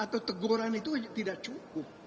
atau teguran itu tidak cukup